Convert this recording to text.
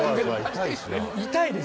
痛いですね。